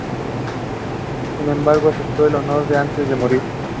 Sin embargo, aceptó este honor antes de morir.